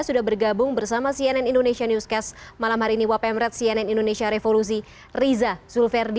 sudah bergabung bersama cnn indonesia newscast malam hari ini wapemret cnn indonesia revolusi riza zulverdi